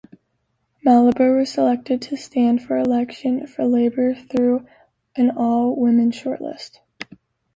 Mallaber was selected to stand for election for Labour through an all-women shortlist.